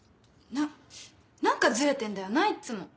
何かズレてんだよないっつも。